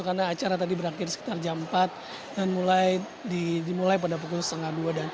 karena acara tadi berakhir sekitar jam empat dan dimulai pada pukul setengah dua